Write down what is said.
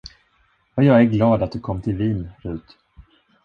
Vad jag är glad, att du kom till Wien, Rut.